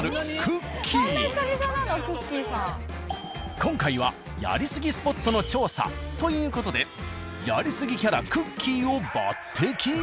今回はやりすぎスポットの調査という事でやりすぎキャラくっきー！を抜擢。